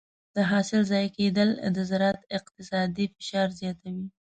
د حاصل ضایع کېدل د زراعت اقتصادي فشار زیاتوي.